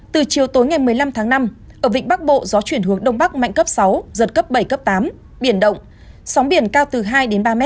từ chiều tối ngày một mươi năm tháng năm ở vịnh bắc bộ gió chuyển hướng đông bắc mạnh cấp sáu giật cấp bảy cấp tám biển động sóng biển cao từ hai đến ba m